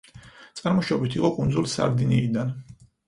წარმოშობით იყო კუნძულ სარდინიიდან.